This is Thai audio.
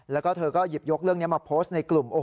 แล้วก็เธอก็หยิบยกเรื่องนี้มาโพสต์ในกลุ่ม